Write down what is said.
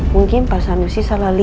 mungkin pas sama si adi